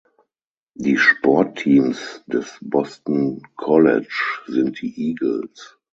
Die Sportteams des Boston College sind die "Eagles".